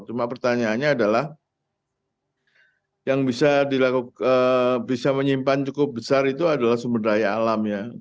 cuma pertanyaannya adalah yang bisa dilakukan bisa menyimpan cukup besar itu adalah sumber daya alam ya